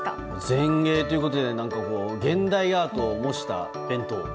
前衛ということで現代アートを模した弁当？